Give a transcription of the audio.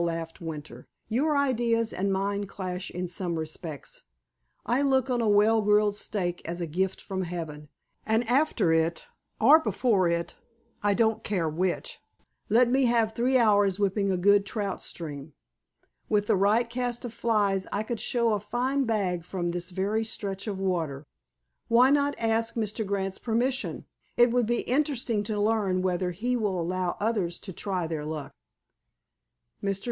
laughed Winter. "Your ideas and mine clash in some respects. I look on a well grilled steak as a gift from Heaven, and after it, or before it—I don't care which—let me have three hours whipping a good trout stream. With the right cast of flies I could show a fine bag from this very stretch of water." "Why not ask Mr. Grant's permission? It would be interesting to learn whether he will allow others to try their luck." Mr.